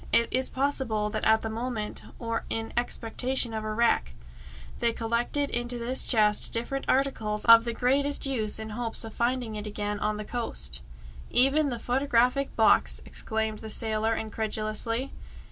It is possible that at the moment, or in expectation of a wreck, they collected into this chest different articles of the greatest use in hopes of finding it again on the coast " "Even the photographic box!" exclaimed the sailor incredulously.